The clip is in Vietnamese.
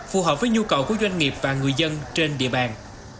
phù hợp với nhu cầu của doanh nghiệp và người dân trên địa bàn